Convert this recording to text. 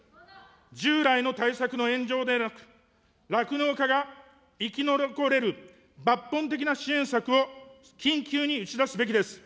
従来の対策の延長ではなく、酪農家が生き残れる抜本的な支援策を緊急に打ち出すべきです。